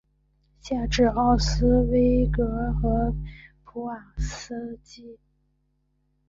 县治奥斯威戈和普瓦斯基。